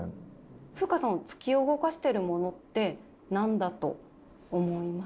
風夏さんを突き動かしてるものって何だと思いますか？